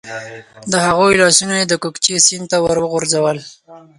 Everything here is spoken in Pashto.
د هغوی لاسونه یې د کوکچې سیند ته ور وغورځول.